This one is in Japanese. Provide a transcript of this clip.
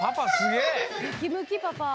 ムキムキパパ！